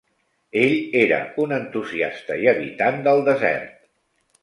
Ell era un entusiasta i habitant del desert.